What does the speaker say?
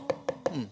うん。